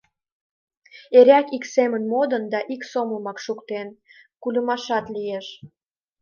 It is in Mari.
Эреак ик семын модын да ик сомылымак шуктен, кульымашат лиеш.